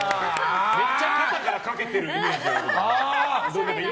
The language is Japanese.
めっちゃ肩から掛けてるイメージ。